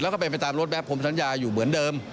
แล้วก็เป็นไปตามรถแบบผมสัญญาอยู่เหมือนเดิม